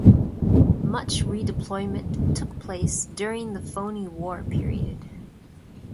Much redeployment took place during the Phoney War period.